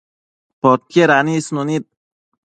Podquied anisnu nid